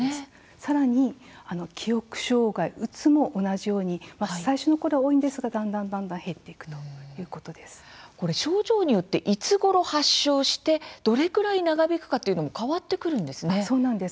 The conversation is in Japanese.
さらに記憶障害うつも同じように最初のころは多いんですがだんだんだんだん減っていく症状によっていつごろ発症してどれぐらい長引くかというのもそうです。